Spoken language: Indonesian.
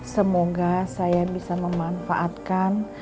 semoga saya bisa memanfaatkan